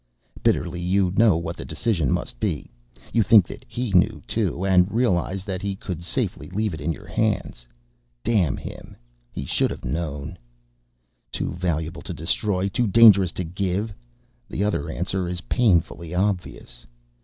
Bitterly, you know what the decision must be. You think that he knew, too, and realize that he could safely leave it in your hands. Damn him, he should have known. Too valuable to destroy, too dangerous to give. The other answer is painfully obvious.